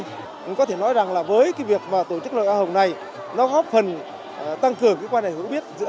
cũng có thể nói rằng với việc tổ chức lời hoa hồng này nó góp phần tăng cường quan hệ hữu biết giữa